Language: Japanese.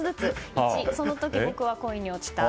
１、その時、僕は恋に落ちた。